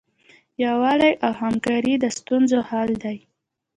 یووالی او همکاري د ستونزو حل دی.